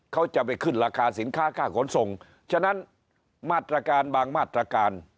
เขาจะไปขึ้นราคาสินค้าค่าขนส่งฉะนั้นมาตรการบางมาตรการ